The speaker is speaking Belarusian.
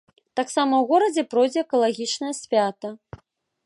Таксама ў горадзе пройдзе экалагічнае свята.